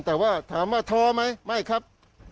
แต่ว่าถามว่าท้อไหมไม่ครับ